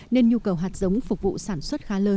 nên nhu cầu hạt giống phục vụ